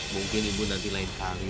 mungkin ibu nanti lain kali